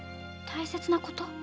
大切なこと？